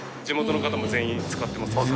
地元の方も全員使ってます？